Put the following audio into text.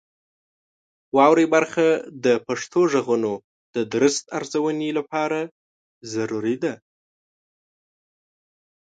واورئ برخه د پښتو غږونو د درست ارزونې لپاره ضروري ده.